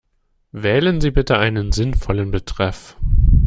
Wählen Sie bitte einen sinnvollen Betreff.